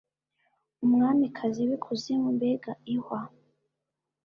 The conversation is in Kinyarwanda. Umwamikazi wikuzimu mbega ihwa